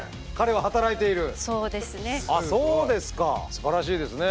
すばらしいですね。